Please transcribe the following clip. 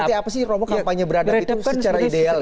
seperti apa sih romo kampanye beradab itu secara ideal